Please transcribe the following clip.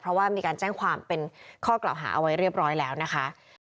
เพราะว่ามีการแจ้งความเป็นข้อกล่าวหาเอาไว้เรียบร้อยแล้วนะคะ